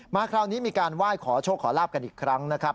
คราวนี้มีการไหว้ขอโชคขอลาบกันอีกครั้งนะครับ